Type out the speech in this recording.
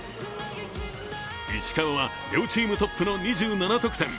石川は両チームトップの２７得点。